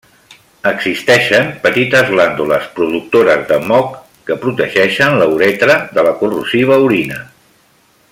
Existeixen petites glàndules productores de moc que protegeixen la uretra de la corrosiva orina.